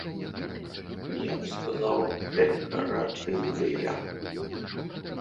Я б сказаў, дэкаратыўныя.